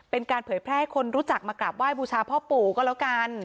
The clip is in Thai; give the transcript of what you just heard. เป็นการเผยแพร่ให้คนรู้จักมากราบไห้บูชาพ่อปู่ก็แล้วกัน